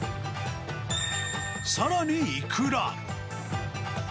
さらにイクラ。